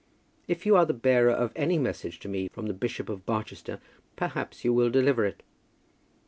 If you are the bearer of any message to me from the Bishop of Barchester, perhaps you will deliver it."